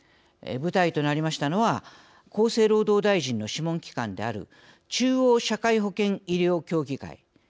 舞台となりましたのは厚生労働大臣の諮問機関である中央社会保険医療協議会。